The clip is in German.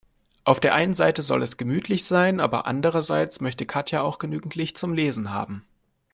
Auf der einen Seite soll es gemütlich sein, aber andererseits möchte Katja auch genügend Licht zum Lesen haben.